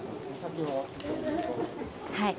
はい。